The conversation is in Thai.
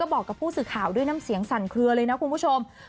บอกกับผู้สื่อข่าวด้วยน้ำเสียงสั่นเคลือเลยนะคุณผู้ชม